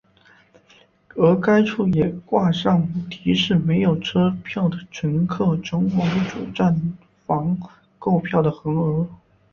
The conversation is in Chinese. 而该处也挂上提示没有车票的乘客前往主站房购票的横额。